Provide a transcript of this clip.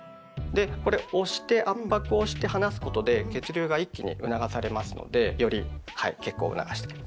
でこれ押して圧迫をして離すことで血流が一気に促されますのでより血行を促していきます。